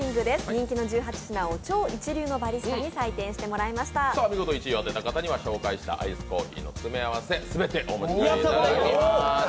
人気の１８品を超一流のバリスタに見事１位を当てた方にはアイスコーヒーの詰め合わせ全てお持ち帰りいただけます。